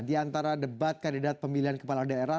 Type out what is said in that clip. di antara debat kandidat pemilihan kepala daerah